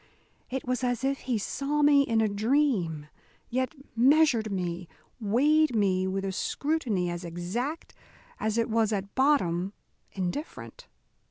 It was as if he saw me in a dream, yet measured me, weighed me with a scrutiny as exact as it was at bottom indifferent.